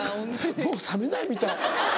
もう覚めないみたい。